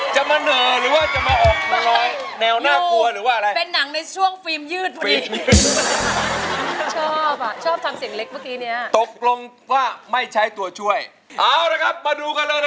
ฉันเป็นกำลังใจไอ้พี่เนี่ย